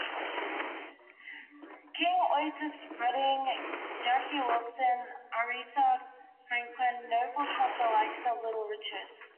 King, Otis Redding, Jackie Wilson, Aretha Franklin; Nobles helped the likes of Little Richard.